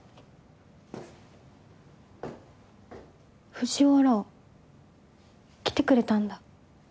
藤原来てくれたんだ。